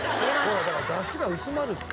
ほらだからだしが薄まるって。